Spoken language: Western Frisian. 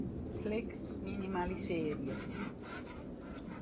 Klik Minimalisearje.